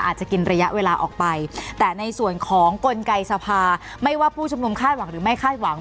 อาจจะกินระยะเวลาออกไปแต่ในส่วนของกลไกสภาไม่ว่าผู้ชุมนุมคาดหวังหรือไม่คาดหวัง